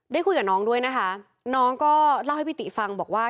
ได้คุยกับน้องด้วยนะคะน้องก็เล่าให้พี่ติฟังบอกว่า